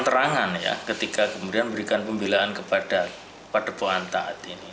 terang terangan ya ketika kemudian memberikan pembelaan kepada padepohan taat ini